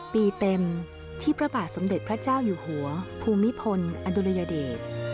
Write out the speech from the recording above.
ปีเต็มที่พระบาทสมเด็จพระเจ้าอยู่หัวภูมิพลอดุลยเดช